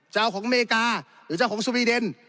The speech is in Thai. จะเอาของอเมริกาหรือจะเอาของสวีเดน